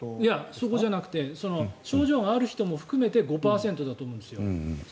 そこじゃなくて症状がある人も含めて５％だと思うんです。